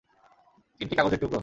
তিনটি কাগজের টুকরো।